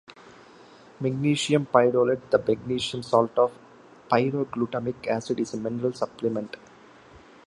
Magnesium pidolate, the magnesium salt of pyroglutamic acid, is a mineral supplement.